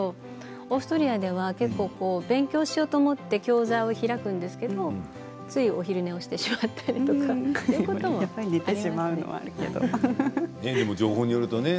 オーストリアでは勉強しようと思って教材を開くんですけれどついお昼寝してしまったりとかありますね。